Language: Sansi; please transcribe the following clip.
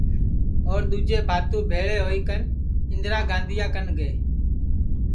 اور دؔوجے بھاتو بھیݪے ہوئی کن اِندرا گاندھیا کن گئے